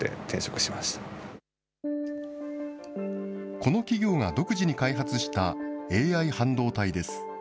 この企業が独自に開発したＡＩ半導体です。